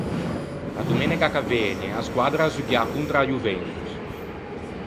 A domenega ch’a vëgne a squaddra a zughià contra a Juventus.